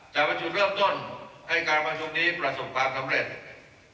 ประชุมเริ่มต้นให้การประชุมนี้ประสบความสำเร็จ